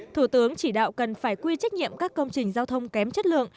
thủ tướng chỉ đạo cần phải quy trách nhiệm các công trình giao thông kém chất lượng